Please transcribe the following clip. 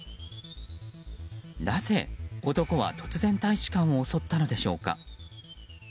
なぜ男は突然、大使館を襲ったのでしょうか。